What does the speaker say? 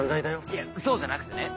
いやそうじゃなくてね。